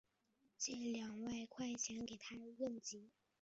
借两万块给她应急